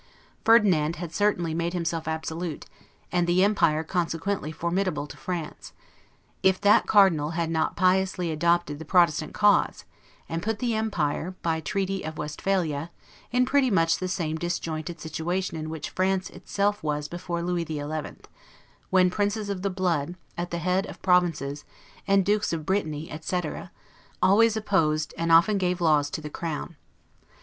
Ferdinand had certainly made himself absolute, and the empire consequently formidable to France, if that Cardinal had not piously adopted the Protestant cause, and put the empire, by the treaty of Westphalia, in pretty much the same disjointed situation in which France itself was before Lewis the Eleventh; when princes of the blood, at the head of provinces, and Dukes of Brittany, etc., always opposed, and often gave laws to the crown.